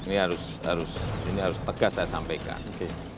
ini harus tegas saya sampaikan